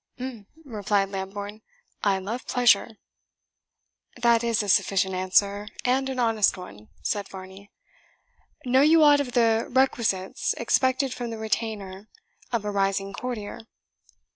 "Um!" replied Lambourne; "I love pleasure." "That is a sufficient answer, and an honest one," said Varney. "Know you aught of the requisites expected from the retainer of a rising courtier?"